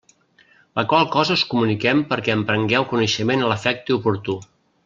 La qual cosa us comuniquem perquè en prengueu coneixement a l'efecte oportú.